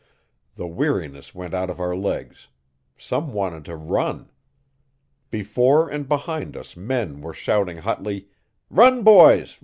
The weariness went out of our legs; some wanted to run. Before and behind us men were shouting hotly, 'Run, boys!